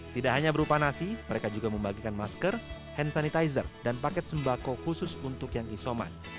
tidak hanya berupa nasi mereka juga membagikan masker hand sanitizer dan paket sembako khusus untuk yang isoman